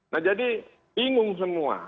nah jadi bingung semua